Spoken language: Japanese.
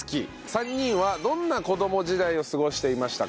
３人はどんな子ども時代を過ごしていましたか？という。